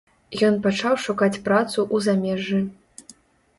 Ён пачаў шукаць працу ў замежжы.